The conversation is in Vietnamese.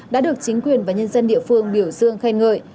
đã được chính quyền và nhân dân địa phương biểu dương khen ngợi